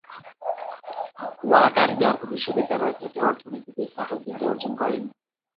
Waker York বিশ্ববিদ্যালয় থেকে অর্থনীতিতে স্নাতক ডিগ্রি অর্জন করেন।